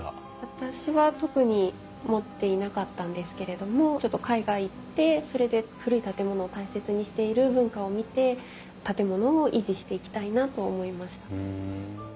私は特に持っていなかったんですけれどもちょっと海外行ってそれで古い建物を大切にしている文化を見て建物を維持していきたいなと思いました。